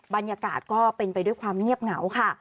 บรรยากาศก็เป็นไปด้วยความเงียบเหงาค่ะ